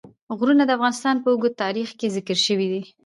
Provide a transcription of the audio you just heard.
غرونه د افغانستان په اوږده تاریخ کې ذکر شوی دی.